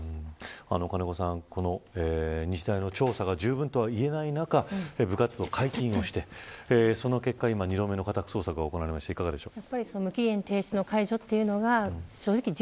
金子さん、日大の調査がじゅうぶんとは言えない中部活動解禁をして、その結果２度目の家宅捜索が行われましたがいかがですか。